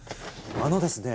あのですね